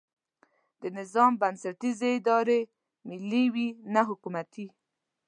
د نظام بنسټیزې ادارې ملي وي نه حکومتي.